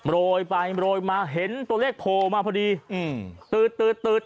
โรยไปโรยมาเห็นตัวเลขโผล่มาพอดีอืมตืดตืดตืด